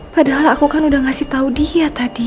padahal aku kan udah ngasih tau dia tadi